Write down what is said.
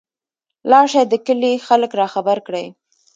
لاړشى د کلي خلک راخبر کړى.